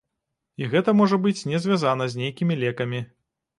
І гэта можа быць не звязана з нейкімі лекамі.